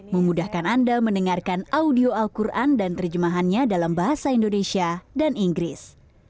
memudahkan anda mendengarkan audio al quran dan terjemahannya dalam bahasa indonesia dan inggris